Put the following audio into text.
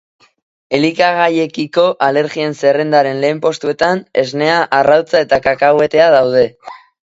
Elikagaiekiko alergien zerrendaren lehen postuetan esnea, arrautza eta kakahuetea daude.